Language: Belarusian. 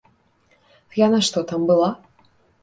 Яна што, там была?